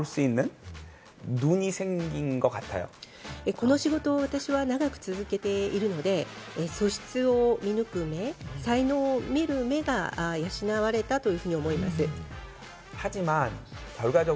この仕事を私は長く続けているので、素質を見抜く目、才能を見る目が養われたというふうに思います。